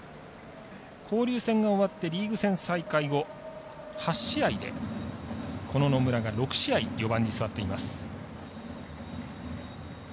交流戦が終わってリーグ戦再開後８試合でこの野村が６試合４番に座っています。